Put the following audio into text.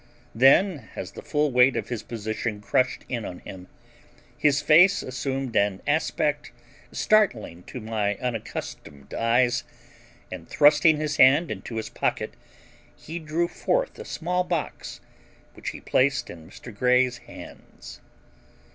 Then as the full weight of his position crushed in on him, his face assumed an aspect startling to my unaccustomed eyes, and, thrusting his hand into his pocket he drew forth a small box which he placed in Mr. Grey's hands.